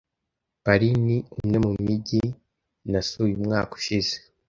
Paris ni umwe mu mijyi nasuye umwaka ushize.